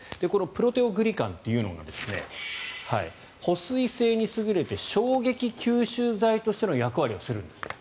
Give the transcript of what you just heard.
プロテオグリカンというのが保水性に優れて衝撃吸収材としての役割をするんですって。